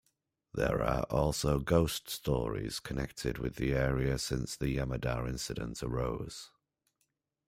There are also ghost stories connected with the area since the Yamada incident arose.